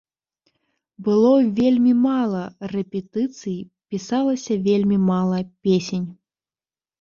Было вельмі мала рэпетыцый, пісалася вельмі мала песень.